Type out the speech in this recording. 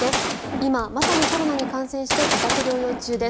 今、まさにコロナに感染して自宅療養中です。